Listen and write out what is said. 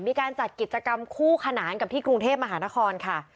มีการจัดกิจกรรมคู่ขนานกับที่กรุงเทพมหานครค่ะ